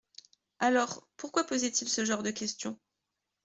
Alors, pourquoi posait-il ce genre de questions ?